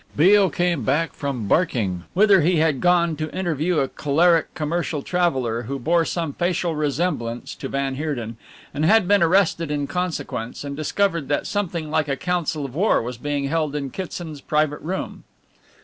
Beale came back from Barking, whither he had gone to interview a choleric commercial traveller who bore some facial resemblance to van Heerden, and had been arrested in consequence, and discovered that something like a Council of War was being held in Kitson's private room.